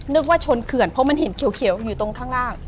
ว่าชนเขื่อนเพราะมันเห็นเขียวอยู่ตรงข้างล่าง